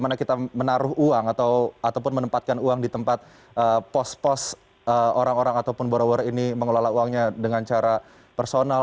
bagaimana kita menaruh uang ataupun menempatkan uang di tempat pos pos orang orang ataupun borrower ini mengelola uangnya dengan cara personal